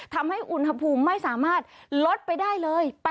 ทำให้อุณหภูมิไม่สามารถลดไปได้เลย